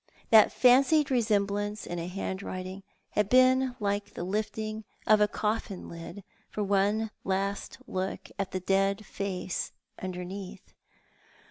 That fancied resemblance in a handwriting had been like the lifting of a coffin lid for one last look at the dead face under neath.